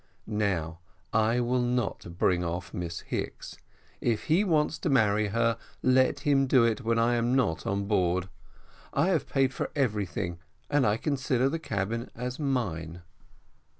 Now I will not bring off Miss Hicks; if he wants to marry her, let him do it when I am not on board. I have paid for everything, and I consider the cabin as mine."